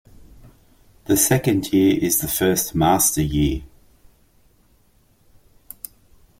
The second year is the first master year.